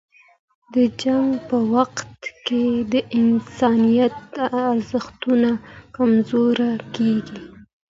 د جنګ په وخت کې د انسانیت ارزښتونه کمزوري کېږي.